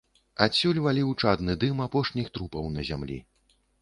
Адусюль валіў чадны дым апошніх трупаў на зямлі.